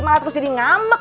malah terus jadi ngambek